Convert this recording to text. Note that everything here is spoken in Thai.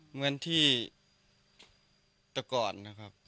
เหมือนที่แต่ก่อนนะครับ